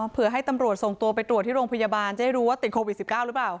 ให้ตำรวจส่งตัวไปตรวจที่โรงพยาบาลจะได้รู้ว่าติดโควิด๑๙หรือเปล่า